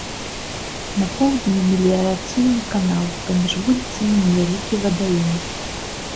На поўдні меліярацыйны канал, паміж вуліцамі невялікі вадаём.